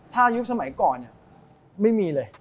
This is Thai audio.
ถ้ายุคสมัยก่อนไม่มีเลย